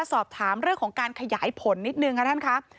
สอบถามเรื่องของการขยายผลนิดนึงค่ะท่านครับ